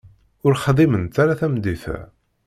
Ur xdiment ara tameddit-a.